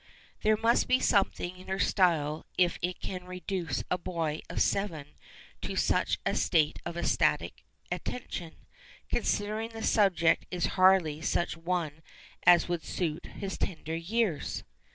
There must be something in her style if it can reduce a boy of seven to such a state of ecstatic attention, considering the subject is hardly such a one as would suit his tender years.